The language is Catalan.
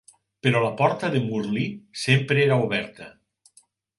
Però la porta de Murli sempre era oberta.